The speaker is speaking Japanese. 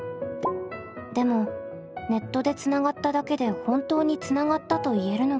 でもネットでつながっただけで本当につながったと言えるのか。